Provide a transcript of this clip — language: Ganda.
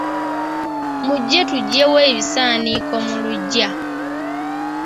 Mujje tuggyewo ebisaaniko mu luggya.